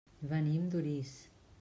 Venim d'Orís.